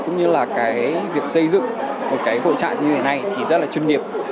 cũng như là cái việc xây dựng một cái hội trại như thế này thì rất là chuyên nghiệp